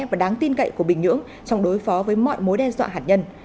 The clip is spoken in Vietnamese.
và đáng tin cậy của bình nhưỡng trong đối phó với mọi mối đe dọa hạt nhân